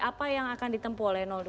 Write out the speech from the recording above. apa yang akan ditempuh oleh dua